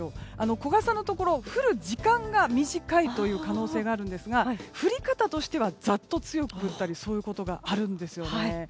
小傘のところは、降る時間が短い可能性があるんですが降り方としてはざっと強く降ったりというそういうことがあるんですね。